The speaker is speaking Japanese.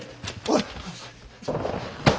おい！